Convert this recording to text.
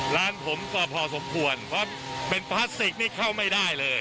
ร้านผมก็พอสมควรเพราะเป็นพลาสติกนี่เข้าไม่ได้เลย